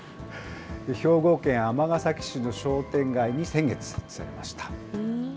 兵庫県尼崎市の商店街に先月、設置されました。